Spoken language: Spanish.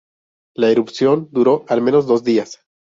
La erupción duró al menos dos días.